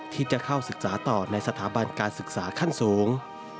ที่จะเข้าศึกษาต่อในสถาบันการศึกษาขั้นสูง